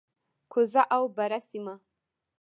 کوزه او بره سیمه،